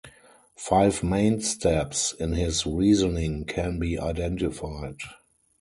Five main steps in his reasoning can be identified.